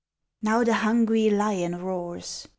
Now the hungry lion roars.